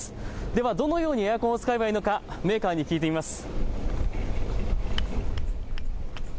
ではどのようにエアコンを使えばいいのかメーカーに聞いてみます。